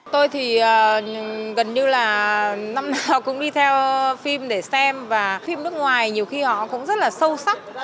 tôi thì gần như là năm họ cũng đi theo phim để xem và phim nước ngoài nhiều khi họ cũng rất là sâu sắc